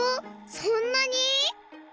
そんなに！？